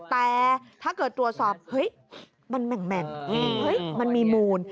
แต่ถ้าเกิดตรวจสอบเฮ้ยมันแหม่งมันมีมูล